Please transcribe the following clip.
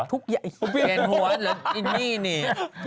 ทุกอย่างเปลี่ยนหัวหรืออันนี้นี่